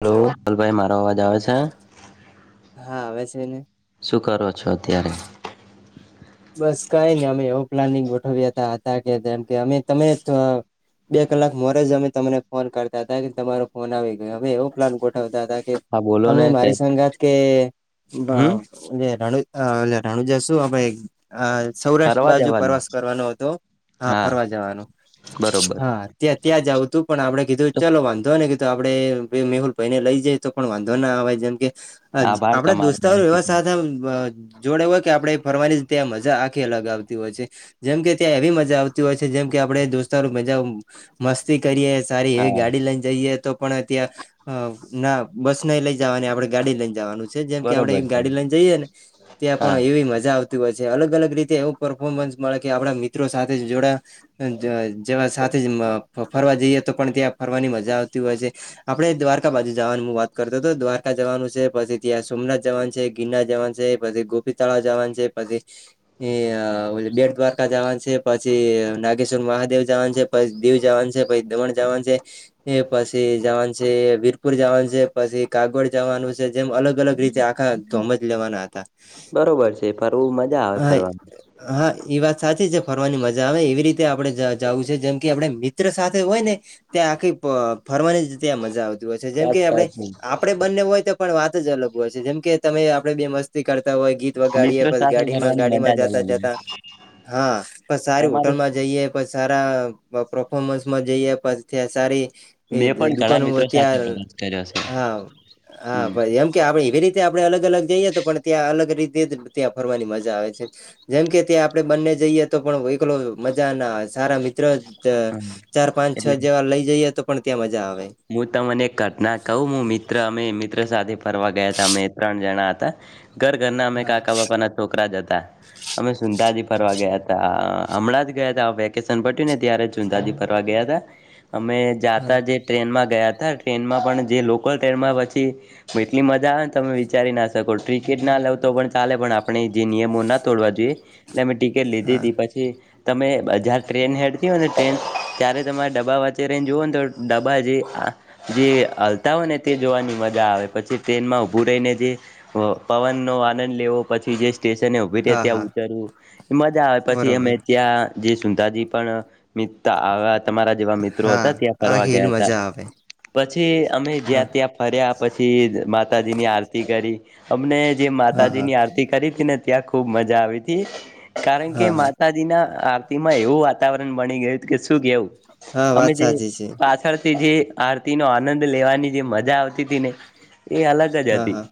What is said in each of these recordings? Hello hello. Hello ભાઈ મારો અવાજ આવે છે? હા આવે છે ને શું કરો છો અત્યારે બસ કઈ ની અમે એવું પ્લાનિંગ ગોઠવ્યા હતા હતા કે જેમ કે અમે તમે ત બે કલાક મોરેજ અમે તમને ફોન કરતા હતા કે તમારો ફોન આવી ગયો હવે એવો પ્લાન ગોઠવતા હતા કે હા બોલો તમે ને કે મારી સંગાત કે બ હમ ણે રણ અ રાણ જશું આપડે હા સૌરાષ્ટ્ર ફરવા બાજુ જવાનું પ્રવાસ કરવાનો હતો હા ફરવા જવાનું બરોબર હા ત્યાં ત્યાં જાવું તું પણ આપડે કીધું તો ચલો વાંધો ને કીધું આપડે મેહુલ ભઈને લઈ જાય તો પણ વાંધો ના આવે જેમ કે આજ આભાર આપડા તમારો મને દોસ્તાઓ એવા કીધું સાથે જોડે એ હોય કે આપડે ફરવાની ત્યાં મજા આખી અલગ આવતી હોય છે જેમ કે ત્યાં એવી મજા આવતી હોય છે જેમ કે આપડે દોસ્તારો મજા મસ્તી કરીએ સારી એવી હા ગાડી લઈને જઈએ તો પણ અ ત્યાં અ ના બસ નઈ લઈ જવાની આપડે ગાડી લઈ જવાનું છે જેમ કે આપડે બરોબર છે ગાડી લઈને જઈએ ને ત્યાં હા પણ એવી મજા આવ તી હોય અલગ અલગ રીતે એવું પરફોર્મન્સ મળે કે આપડા મિત્રો સાથે જોડા જેવા સા થે ફરવા જઈએ તો પણ ત્યાં ફરવાની મજા આવતી હોય છે આપડે દ્વારકા બાજુ જવાની હું વાત કર તો તો દ્વારકા જવાનું છે પછી ત્યાં સોમનાથ જવાનું છે ગિરનાર જવાનું છે પછી ગોપી તળાવ જવાનું છે પછી એ બેટ દ્વારકા જવાનું છે પછી નાગેશ્વર મહાદેવ જવાનું છે પછી દીવ જવાનું છે પછી દમણ જવાનું છે એ પછી જવાનું પછી વીરપુર જવાનું છે પછી કાગડ જવાનું છે જેમ અલગ અલગ રીતે આખા ધોમજ લેવાના હતા. બ મજા આવે હા ફરવાવામાં. હા એ વાત સાચી છે ફરવાની મજા આવે એવી રીતે આપડે જ જાવું છે જેમ કે આપડે મિત્ર સાથે હોય ને ત્યાં આખી પ ફરવાની જ ત્યાં મજા આવતી હોય છે જેમ વાત કે આપણે સાચી આપડે બંને હોય તો. પણ વાત જ અલગ હોય છે જેમ કે તમે આપડે બે મસ્તી કરતા હોય ગીત વગાડીએ મિત્રો સાથે ગાડીમાં ફરવાની ગાડીમાં મજા જ જતા અલગ હોય જતા હા પ સારી તમારી હોટલમાં જઈએ છ સારા પરફોમન્સ માં જઈએ પછ સારી. મેં એ પણ ઘણા દુકાનો મિત્રો સાથે અત્યાર પ્રવાસ કર્યો છે આ હમ આ એમ કે એવી રીત. તે આપણે અલગ અલગ જઈએ તો પણ ત્યાં અલગ રીતે જ. ત્યાં ફરવાની મજા આવે છે જેમ કે ત્યાં આપણે બંને જઈએ તો પણ એકલો મજા ના આવે સારા મિત્ર. હમ ચાર પાંચ છ જેવા લઈ જઈએ તો પણ ત્યાં મજા આવે મું તમને એક ઘટના કહું હું મિત્ર. અમે મિત્ર સાથે ફરવા ગયા હતા અમે ત્રણ જણા હતા. ઘર ઘરના અમે હા કાકા બાપા ના છોકરા જ હતા અમે સુંંધાજી ફરવા ગયા તા અ હમણાં જ ગયા હતા વેકેશન પટ્યું ને ત્યારે સુંધાંજી ફરવા ગયા હતા અમે હા જાતા જે. ટ્રેનમાં ગયા ટ્રેનમાં પણ જે લોકલ ટ્રેનમાં પછી એટલી મજા આવે ને તમે વિચારી ના શકો ટ. ટિકિટ ના લઉ તો પણ ચાલે પણ આપણે જે નિયમો નથી. તોડવા જોઈએ એટલે અમે ટિકિટ લીધી હા તી પછી. તમે હજાર ટ્રેન હેડતી હો ને ટ્રેન ત્યારે તમારે ડબ્બા વચ્ચે રઈને જુઓ ને તો ડબ. જે જે હલતા હોય ને તે જોવાની મજા આવે પછી ટ્રેનમાં ઉભું રહીને જે પવન નો આનંદ લેવો પછી જે. સ્ટેશને ઉભી રે હા ત્યાં હા ઉતરવું મજા આવે પછી અમે બરોબર ત્યાં જે સુંંધાજી પણ મિત તમારા જેવા મિત્રો હા હતા ત્યાં ફરવા આખી હિલ ગયા હતા. તા મજા આવે પછી અમે હા જ્યાં ત્યાં ફર્યા. પછી માતાજીની આરતી કરી અમને જે હા માતાજી હા ની આરતી કરી તી ને ત્યા ખુબ મજા આવી તી કારણ કે હા હા માતાજીના. માં એવું વાતાવરણ બની ગયું કે શું કેવું હા અમે વાત જે સાચી છે પાછળ. તે જે આરતી નો આનંદ લેવાની જે મજા આવતી તી ને એ અલગ જ હા હતી હા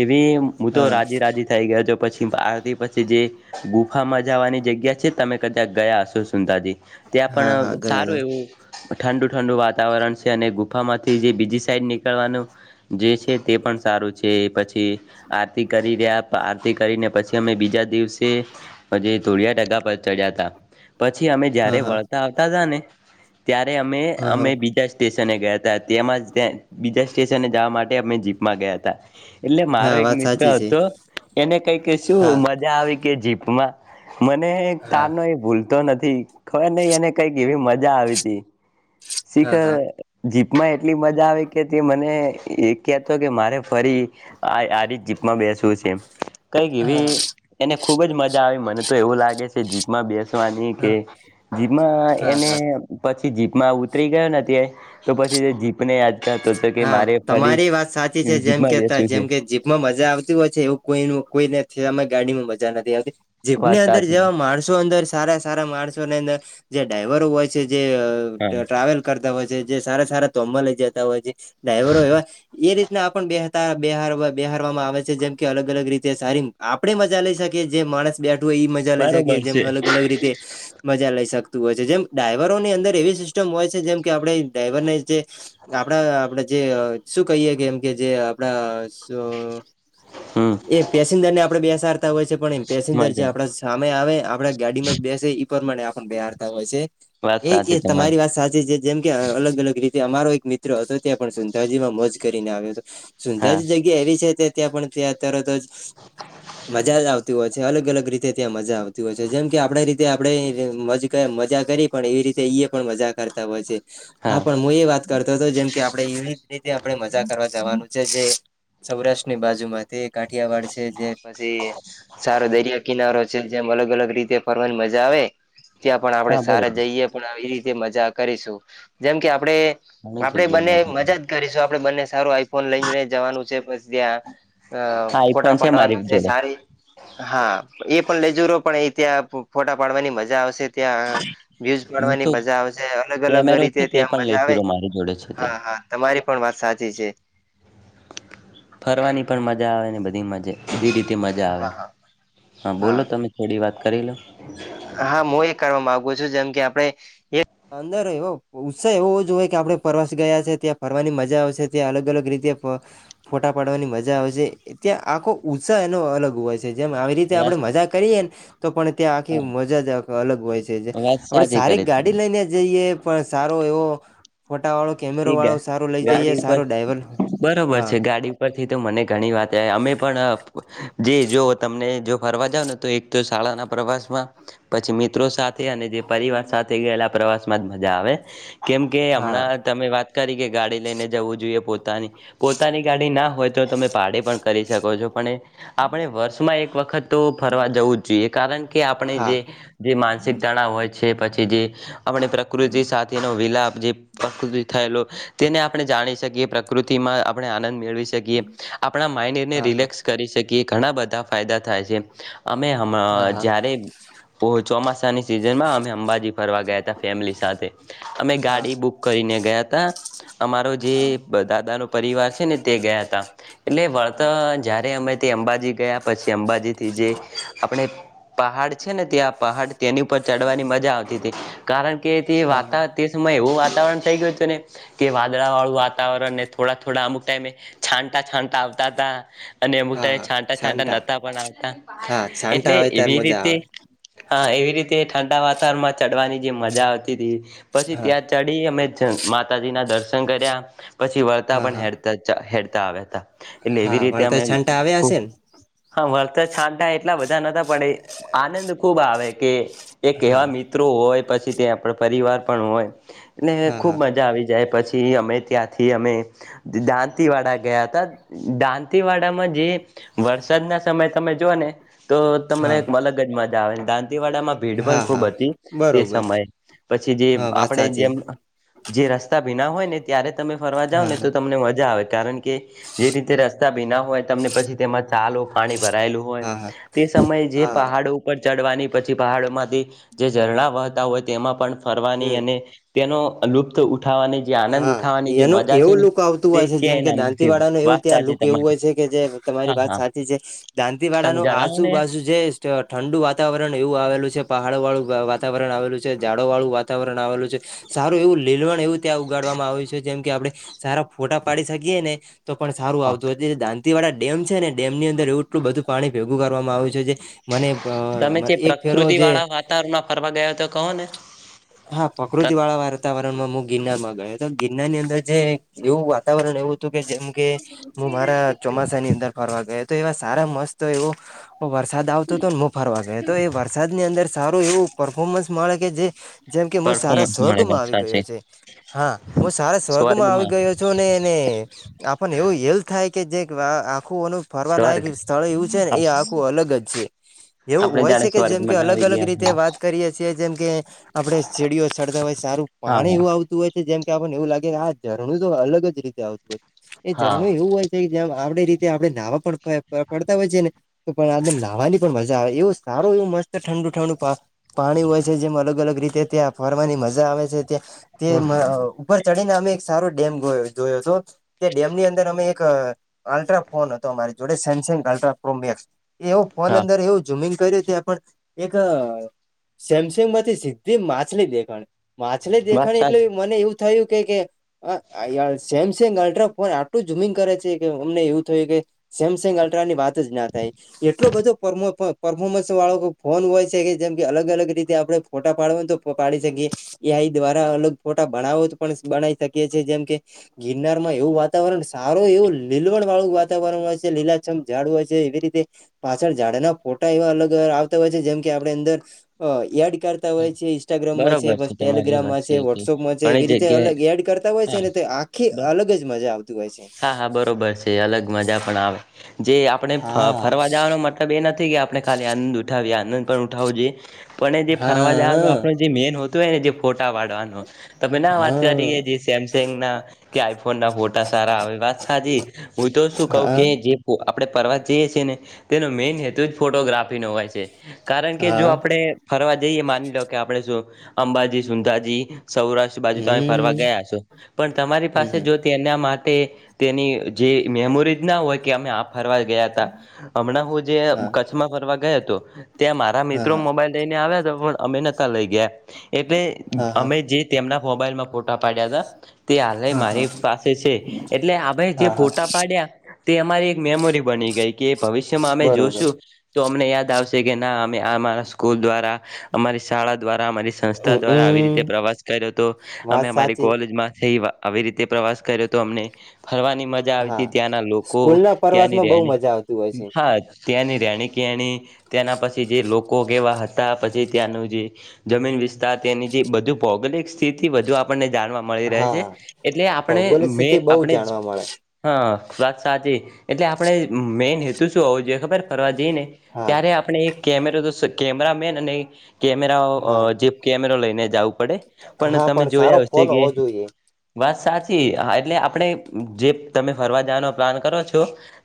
એવી હું તો હા રાજી રાજી થઈ ગયો છુ પછી આર જે ગુફામાં જવાની જગ્યા છે તમે કદાં ગયા હશો સુંધાંજી. ત્યાં હા હા પણ ગયો સારું હતો એવું ઠંડુ ઠંડુ વાત. તાવરણ છે અને ગુફામાંથી જે બીજી સાઈડ નીકળવાનું જે છે તે પણ સારું છે પછી. આરતી કરી રહ્યા આરતી કરીને પછી અમે બીજા દિવસે ધોળિયા ટ. ચડ્યા હતા પછી અમે જયારે હા હા વળતા આવતા તા ને ત્યારે અમે હા અમે હા બીજ. સ્ટેશને ગયા હતા તેમાં ત્યા બીજા સ્ટેશને જવા માટે અમે જીપમાં ગયા હતા. એટલે હા મારો એક વાત મિત્ર સાચી છે હતો એને કઈ કે શું હા મજા આવી કે જીપમાં. મને હા કારનો એ ભૂલતો નથી ખબર નહી એને કઈક એવી મજા મજા આવી તી. હા હા શીખર જી. માં એટલી મજા આવે કે તે મને એ કેહેતો કે મારે ફરી આ આરી જ જીપમાં બેસવું છે એ કઈક હા હા એવી એને ખુબ જ મજા આવે મને તો એવું લાગે છે જીપમાં બેસવાની કે હા જીપમાં હા એને પછી. પછી જીપમાં ઉતરી ગયો નથી તં તો પછી તે જીપને કરતો હતો કે હા મારે ફરી તમારી વાત સાચી છે જેમ જીપમાં કે બેસવું છે જેમ કે જીપમાં મજા આવતી હોય છે એવું કોઈ કોઈને. ગાડીમાં મજા નથી આવતી જીપની વાત અંદર સાચી જેવા માણસો અંદર સારા સારા માણસોની અંદર. જે ડ્રાઈવરો હોય છે જે હા ટ્રાવેલ કરતા હોય છે જે સારા સારા ધોમમાં લઈ જતા હોય છે. ડ્રાઈવરો એવા એ રી. ના બેહારવામાં આવે છે જેમ કે અલગ અલગ રીતે સારી આપડે મજા લઈ શકીએ જેમ. માણસ બેઠુ ઈ મજા લઈ શકીએ બરોબર જેમ છે અલગ અલગ રીતે મજા લઈ શક. તું હોય જેમ ડ્રાઈવરોની અંદર એવી સિસ્ટમ હોય છે જેમ કે આપણે ડ્રાઈવરને જે આપડા આપડે જે શું કહીએ કેમ કે જે આપડા સ હમ એ પેસેન્જર ને આપડે બેસાડતા હોય છે પણ એ પેસેન્જર જે મજા આપડા સામે આવે આપડા ગાડીમાં જ બેસ જ ઈ પ્રમાણે આપણ ને બેહારતા હોય છે વાત એ સાચી જ તમારી વાત સાચી છે જેમ કે અલગ અલગ રીતે તે અમારો એક મિત્ર હતો ત્યાં પણ સુંંધાજીમાં મોજ કરીને આવ્યો હતો હા સુંંધાજી જગ્યા એવી છે જ ત્યાં પણ તં તરતો જ મજા આવતી હોય છે, અલગ અલગ રીતે ત્યાં મજા આવતી હોય છે, જેમ કે આપડે રીતે આપડે મોજ કર મજા કરી પણ એવી રીતે એ પણ મજા કરતા હોય છે, હા પણ હું એ વાત કરતો હતો જેમ વિવિધ રીતે આપણે મજા કરવા જવાનું છે જે સૌરાષ્ટ્રની બાજુ માંથી કાઠિયાવાડ છે જે પછી, સારો દરિયા કિનારો જેમ અલગ અલગ રીતે ફરવાની મજા આવે ત્યાં પણ આપડે હા બરોબર સારા જઈએ પણ આવી રીતે મજા કરીશું જેમ કે આપણે ઘણી આપડે બંને જગ્યા મજા જ કરીશું આપડે બંને સારો ફોન લઈ જવાનું છે બસ ત્યાં અ હા એ ફોટા પણ મારી પાડવાના છે જોડે સારી હા એ પણ લે જુરો પણ એ ત્યાં ફોટા પાડવાની મજા આવશે ત્યાં વ્યુઝ હું પાડવાની તો મજા આવેશે અલગ અલગ કેમેરો છે રીતે તે ત્યાં પણ મજા આવે લેસુરો મારી જોડે છે તે હા હા તમારી પણ વાત સાચી છે. ફરવાની પણ મજા આવેને બધી મજા બી રી મજા હા આવે હા હા બોલો તમે થોડી વાત કરી લો હા મો એ કર માગુ છું જેમ કે આપડે, અંદર એવ ઉત્સાહ એવો જ હોય કે આપડે પ્રવાસ ગયા છે ત્યાં ફરવાની મજા આવશે ત્યાં અલગ અલગ રીતે ફ ફોટા પાડવાની મજા આવશે ત્યાં આખો ઉત્સાહ એનો અલગ હોય છે જેમ આવી રીતે આપડે વાત મજા કરીએ ને તો પણ ત્યાં આખી હા મજા જ આ અલગ હોય છે વાત આપણે સાચી સારી કરી તમે ગાડી લઈને જઈએ પણ સારો એવો વાળો કેમેરો તે ગા વાળો સારો લઈ ગાડી જઈએ ઉપર સારો ડ્રાઈવર બરોબર હા છે ગાડી ઉપરથી તો મને ઘણી વાત અમે પણ જે જો તમને જો ફરવા જાવ ને તો એક તો શાળાના પ્રવાસ માં, પછી મિત્રો સાથે અને જે પરિવાર સાથે ગયેલા પ્રવાસ માં જ મજા આવે. કેમ કે હા હમણાં તમે વાત કરી કે ગાડી લઈને જવું જોઈએ પોતાની પોતાની ગાડી ના હોય તો તમે ભાડે પણ કરી શકો છો પણ આપણે વર્ષમાં એક વખત તો ફરવા જવું જ જોઈએ કારણ કે કે આપણે હા જે જે માનસિક તણાવ હોય છે પછી જે આપણે પ્રકૃતિ સાથેનો વિલાપ જે [unintelligible] થયેલો તેને આપણે જાણી શકીએ પ્રકૃતિ માં આપણે આનંદ મેળવી શકીએ આપણા માઈન્ડ એને હા રિલેક્સ કરી શકીએ ઘણા બધા ફાયદા થાય છે. અમે હમ હા હા જ્યારે ચોમાસાની સિઝનમાં અમે અંબાજી ફરવા ગયા તા ફેમિલી સાથે અમે હા હા ગાડી બુક ને ગયા હતા અમારો જે દાદા નો પરિવાર છે ને તે ગયા હતા એટલે હા વળતા જયારે અમે તે અંબાજી ગયા પછી અંબાજી થી જે આપણે પહાડ છે ને તે આ પહાડ તેની ઉપર ચડવાની મજા આવતી હતી કારણ કે તે હા વાતા તે સમય એવું વા વાતાવરણ થઈ ગયું હતું ને કે વાદળા વાળું વાતાવરણને થોડા થોડા અમુક ટાઈમે છાંટા છાંટા આવ દાદા અને અમુક હા ટાઈમ હા છાંટ છાંટા શાંતા નહતા પણ આવતા હા છાંટા એટલે આવે ત્યારે એવી મજા રીતે આવે હા એવી રીતે ઠંડા વાતાવરણમાં ચડવાની જે મજા આવતી હતી પછી હા ત્યાં જ પડી અમે માતાજીના દર્શન કર્યા પછી વળતા હા પણ હા હેરતા જ હેરતા આવ્યા હતા. એટલે એવી હા રીતે વણતર અમે છાંટા આવ્યા ખૂબ હશે ને હા વળ છાંટા એટલા બધા નતા પડે આનંદ ખુબ આવે કે એક હા એવા મિત્રો હોય પછી તે આપડે પરિવાર પણ હોય એટલે હા ખુબ હા મજા આવી જાય પછી. અમે ત્યાંથી અમે દાંતીવાડા ગયા હતા દાંતીવાડા જે વરસાદ ના સમયે તમે જોઓ ને તો તમને હા અલગ જ મજા આવે. તે વાડામાં ભીડ પણ હા ખૂબ હા હતી તે બરોબર સમયે પછી જે હા વાત આપણે સાચી જેમ જે રસ્તા ભીના હોય ને ત્યારે તમે ફરવા જાવ હા ને હા તો તમને મજા આવે. કારણ કે જે રીતે રસ્તા ભીના હોય તમને પછી તેમાં ચાલો પાણી ભરાયેલું હોય હા તે સમયે જે હા હા પહાડો ઉપર ચડવાની પછી પહાડ માંથી જે ઝરણા વહતા હોય તેમાં પણ ફરવાની હમ અને તેનો લુપ્ત ઉઠાવવાની જે આનંદ હા ઉઠાવવાની જે એનું મજા છે એવું ને લુક આવતું તે હોય છે જેમ ક્યા કે ના દાંતી મળતી વાળાનું એવું વાચત ત્યાં લુક સાચી એવું તમારી. હોય છે જે તમારી હા વાત હા સાચી છે દાંતીવાડા તમે નું જણાવો આજુ ને બાજુ જે ઠંડુ વાતાવરણ એવું અલ આવેલું છે પહા પહાડો વાળું વાતાવરણ આવેલું છે ઝાડો વાળું વાતાવરણ આવેલું છે સારું એવું લીલવણ એવું ત્યાં ઉગાડવામાં આવે છે જેમ કે આપણે સારા ફોટા પાડી શકીએ ને તો પણ સારું હા આવતું હોય છે. તેવડા ડેમ છે ને ડેમની અંદર એટલું બધું પાણી ભેગું કરવામાં આવ્યું છે જે મને તમે જે એક ફેરો પ્રકૃતિ જે વાળા વાતાવરણ માં ફરવા ગયા તો કહો ને હા પ્રકૃતિ વાળા વાતાવરણમાં હું ગિરનાર માં ગયોતો. ગિરનાર ની અંદર જે એવું વાતાવરણ એવું હતું કે જેમ કે હું મારા ચોમાસા ની અંદર ફરવા ગયો તો એવા સારા મસ્ત એવો વરસાદ આવતો હતોને હું ફરવા ગયો તો એ વરસાદની અંદર સારું એવું પરર્ફોર્મન્સ મળે કે જે જેમ કે હું સારા પરફોર્મન્સ મળે સ્વર્ગમાં વાત આવી ગયો સાચી છું હા હું સારા સ્વર્ગમાં આવી ગયો છું ને એને આપને એવું એલ થાય કે જે આખું અને સ્વર્ગ ફરવાલાાયક સ્થળ એવું છે ને એ આખું આપડે અલગ જ છે. એવું હોય જાણે છે કે જેમ કે સ્વર્ગમાં અલગ આવી અલગ રીતે ગયા વાત કરીએ છીએ જેમ કે આપડે સીડીઓ ચડતા હોય સારું પાણી હોય હા એવું આવતું હોય છે જેમ કે આપણને એવું લાગે આ ઝરણું તો અલગ જ રીતે આવતું હોય એ હા. ઝરણું એવું હોય છે કે જં... આપડી રીતે આપણે નાવા પણ પડતા હોય છે ને તો પણ નાવાની પણ મજા આવે એવું સારું એવુ. મસ્ત ઠંડુ ઠંડુ બવ પાણી હોય છે જેમ અલગ અલગ રીતે કે ત્યાં ફરવાની મજા આવે છે ત્યા તે હા. ઉપર ચડ અમે એક સારો ડેમ ગો યો જોયો હતો તે ડેમ ની અંદર અમે એક અલ્ટ્રા ફોન હતો અમારી જોડે સેમસંગ અલ્ટ્રા પ્રો મેક્સ એવું ફોન હા અંદર એવું જુમિંગ કર્યું હતું પણ એક સેમસંગ મતે છે. તે માછલી દેખાણી માછલી બસ દેખાણી આજ એટલે મને એવું થયું કે કે સેમસંગ અલ્ટ્રાફોન આટલું જુમિંગ કરે છે કે અમને એવું થયું કે સેમસંગ અલ્ટ્રાની વાત જ ના થાય એટલો બધું પર પરફોમ્સ વાળો ફોન હોય છે. જેમ કે અલગ અલગ રીતે આપડે ફો ટા પાડવા હોય તો પાડી શકીએ એઐઆઇ દ્વારા અલગ ફોટા બનાવા હોય તો પણ બનાવી શકીએ છી જેમ કે ગિરનાર માં એવું વાતાવરણ સારું એવું લીલવણ વાળું વાતાવરણ હોય છે લીલાછમ જાડું હોય છે એવી રીતે પાછળ ઝાડાના ફોટા એવા અલગજઅ આવતા હોય છે જેમ કે આપણે અંદર અ એડ કરતા હોય છે ઇન્સ્ટાગ્રામ માં છે બરોબર તમારી વાત ટેલિગ્રામમાં છે કે વોટ્સઅપમાં છે ઘણી એવી રીતે જગ્યાએ અલગ એડ કરતા હોય છે હા ને આખી બસ અલગ જ મજા આવતી હોય છે. હા હા બરોબર છે અલગ મજા પણ આવે જે આપણે હા. ફરવા જવાનો મતલબ એ નથી કે આપણે ખાલી આનંદ ઉઠાવીએ આનંદ પણ ઉઠાવો જોઈએ. પણ એ જે ફરવા જવાનું હા આપણું જે મેન હોતું હોય ને જે ફોટા પાડવાનું. તમે ના વાત હા કરી કે સેમસંગ ના કે આઈફોન ના ફોટા સારા આવે વાત સાચી હું તો શું કઊ કે હા જે આપણે પ્રવાસ જઈએ છીએ ને તેનો મેન હેતુ જ ફોટોગ્રાફીનો હોય છે. કારણ કે જો હા આપણે ફરવા જઈએ માની લો કે આપણેે અંબાજી સુંંધાજી સૌરાષ્ટ્ર બાજુ તમે ફરવા હમ ગયા છો પણ તમારી પાસે હમ જો તેના તે તેની જે મેમોરીજ ના હોય કે અમે આપે ફરવા ગયા હતા હમણાં હું જે હા કચ્છમાં ફરવા ગયો હતો. ત્યાં મારા હા મિત્રો હા મોબાઈલ લઈને આવ્યા હતા પણ હું નતો લઈ ગયો. એટલે હા હા અમે જે તેમના મોબાઈલમાં ફોટ ટા પાડ્યા હતા તે હાલ હા મારી હા પાસે છે એટલે આ ભાઈ જે હા હા ફોટા પાડયા તે મારી એક મેમોરી બની ગઈ કે એ ભવિષ્યમાં અમે બરોબર જોશું તો.. અમને યાદ આવશે કે ના અમે આમાં સ્કૂલ દ્વારા અમારી શાળા. દ્વારા અમારી સંસ્થા દ્વારા આવી હમમ રીતે પ્રવાસ કર્યો તો અમે વાત અમારી સાચી કોલેજમાંથી આવી રીતે પ્રવાસ કર્યો તો અમને ફરવાની મજા આવી તી હા હતી ત્યાંના લોકો સ્કૂલ ના ત્યાંની પ્રવાસમાં બહુ રહેણી મજા આવતી હોય છે હા. ત્યાંની રહેણી કેણી ત્યાંના પછી જે લોકો કેવા હતા પછી ત્યાંનો જે જમીન વિસ્તારની તેની જે બધું ભૌગોલિક સ્થિતિ વધુ આપને જાણવા મળી રહે છે હા એટલે આપણે ભૌગોલિક મે સ્થિતિ બહુ આપણે જાણવા મળે હા. વાત સાચી એટલે આપણે મેઈન હેતુ શું હોવો જોઈએ ખબર ફરવા જઈને હા ત્યારે આપણે એક કેમેરો તો શક્ય કેમેરા મેન અને હા કેમેરા જે કેમેરો લઈને જાવું પડે પણ હા તમે સારો જોયા હશે ફોન કે હોવો જોઈએ વાસ સાચી હા એટલે આપણે જે તમે ફરવા જવાનો પ્લાન કરો છો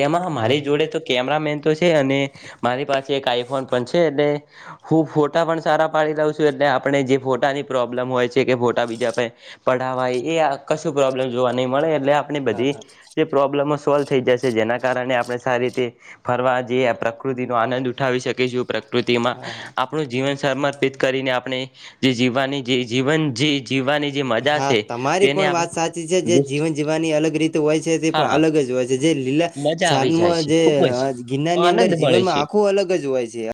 તેમાં હા હમારી જોડે તો કેમેરામેન એતો છે અને મારી પાસે એક આઈફોન પણ છે એ ખૂબ મોટો ફોટા પણ સારા પાડી લઉં છું એટલે આપણે જે ફોટાની પ્રોબ્લેમ હોય છે કે ફોટા બીજા પાહે પડાવાય એ આ કશું પ્રોબ્લેમ જોવા નહીં મળે એટલે આપણી હા બધી હા જે પ્રોબ્લેમો સોલ થઈ જશે જેના કારણે આપણે સારી રીતે ફરવા જઈએ આ પ્રકૃતિ નો આનંદ ઉઠાવી શકીએ. બીજુ પ્રકૃતિમાં હા હા આપ આપડું જીવન સમર્પિત કરીને આપણે જે જીવવાની જે જીવન જે જીવવાની જે મજા હા છે તમારી તેને પણ આપણે વાત સાચી છે જે લુફ્ત જીવન જીવવાની અલગ રીતે હોય છે તે પણ હા અલગ જ હોય છે જે લીલા મજા આવી જાય છાનમાં છે જે ખુબ જ ગિરનાર ની અંદર આનંદ મળે જીવનમાં છે આખું અલગ જ હોય છે.